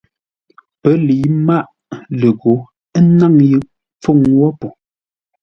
Pə́ lə̌i máʼ ləghǒ, ə́ náŋ yʉ pfuŋ wó po.